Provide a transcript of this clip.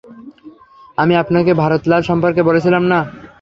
আমি আপনাকে ভারত লাল সম্পর্কে বলেছিলাম না?